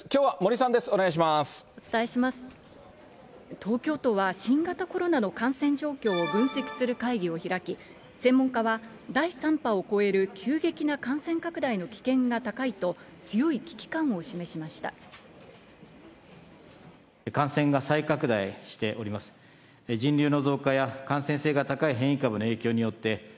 東京都は新型コロナの感染状況を分析する会議を開き、専門家は第３波を超える急激な感染拡大の危険が高いと、強い危機感を示しました。